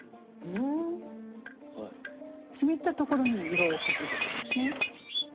湿ったところに色を置くってことですね。